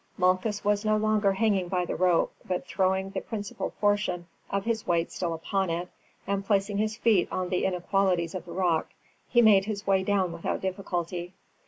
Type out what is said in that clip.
Malchus was no longer hanging by the rope; but throwing the principal portion of his weight still upon it, and placing his feet on the inequalities of the rock, he made his way down without difficulty.